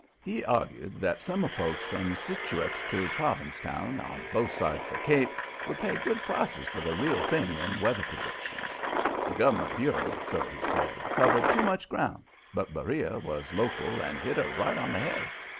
He argued that summer folks from Scituate to Provincetown, on both sides of the Cape, would pay good prices for the real thing in weather predictions. The Gov'ment bureau, so he said, covered too much ground, but Beriah was local and hit her right on the head.